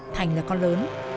thành là con lớn